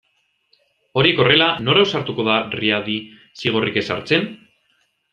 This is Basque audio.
Horiek horrela, nor ausartuko da Riadi zigorrik ezartzen?